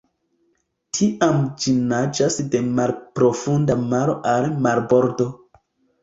Tiam ĝi naĝas de malprofunda maro al marbordo.